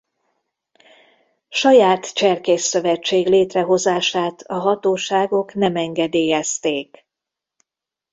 Saját cserkészszövetség létrehozását a hatóságok nem engedélyezték.